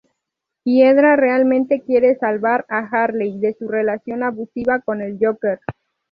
Hiedra realmente quiere salvar a Harley de su relación abusiva con el Joker.